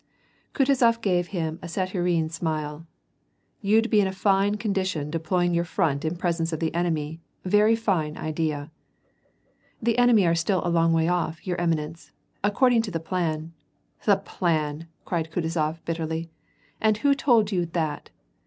Kutuzof gave him a saturnine smile, '^ You'd be in a fine condition, deploying your front in presence of the enemy ; very fine idea !"'' The enemy are still a long way off, your eminence. Accord ing to the plan "—" The plan !" cried Kutuzof, bitterly, " And who told you that